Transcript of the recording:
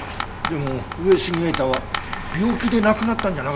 でも上杉栄太は病気で亡くなったんじゃなかったっけ？